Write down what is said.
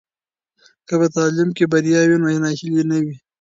که په تعلیم کې بریا وي نو ناهیلي نه وي.